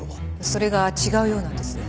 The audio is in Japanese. それが違うようなんです。